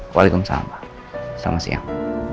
waalaikumsalam pak selamat siang